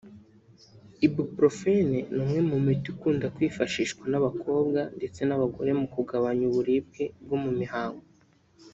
Ibuprofene ni umwe mu miti ikunda kwifashishwa n'abakobwa ndetse n'abagore mu kugabanya uburibwe bwo mu mihango